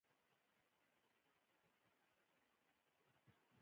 څنګه کولی شم د قرباني غوښه تقسیم کړم